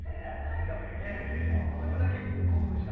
それだけ興奮した？